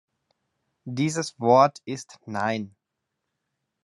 Dieses Wort ist "Nein".